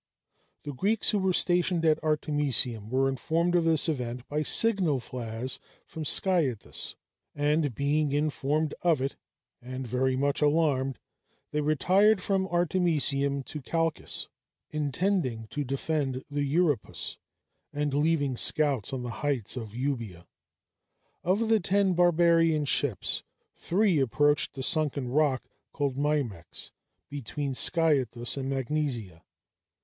The Greeks who were stationed at Artemisium were informed of this event by signal fires from Sciathus; and being informed of it, and very much alarmed, they retired from Artemisium to Chalcis, intending to defend the Euripus, and leaving scouts on the heights of Euboea. Of the ten barbarian ships, three approached the sunken rock called Myrmex, between Sciathus and Magnesia.